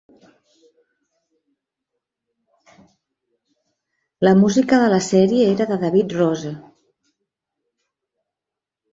La música de la sèrie era de David Rose.